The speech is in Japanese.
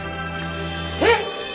えっ！